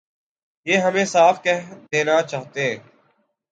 یہ ہمیں صاف کہہ دینا چاہیے۔